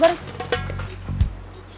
bentar ini nutup pintu dulu